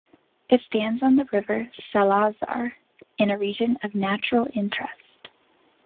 It stands on the River Salazar in a region of natural interest.